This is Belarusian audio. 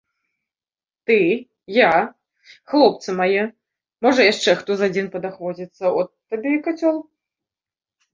Ты, я, хлопцы мае, можа, яшчэ хто з адзін падахвоціцца, от табе і кацёл.